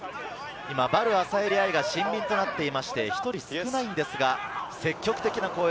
ヴァル・アサエリ愛がシンビンとなっていて、１人少ないのですが、積極的な攻撃。